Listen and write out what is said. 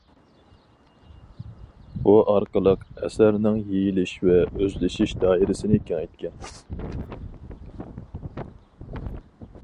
بۇ ئارقىلىق ئەسەرنىڭ يېيىلىش ۋە ئۆزلىشىش دائىرىسىنى كېڭەيتكەن.